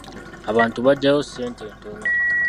Abantu bagyayo ssente ntono.